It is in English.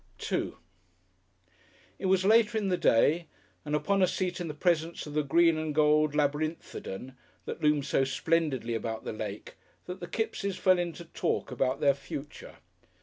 §2 It was later in the day, and upon a seat in the presence of the green and gold Labyrinthodon that looms so splendidly above the lake, that the Kippses fell into talk about their future.